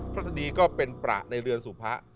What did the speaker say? พระธรรมดีก็เป็นประในเรือนสู่พระ